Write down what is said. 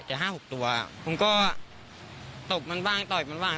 แต่๕๖ตัวผมก็ตบมันบ้างต่อยมันบ้าง